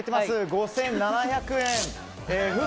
５７００円。